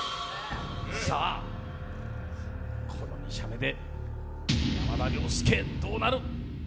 この２射目で山田涼介どうなる？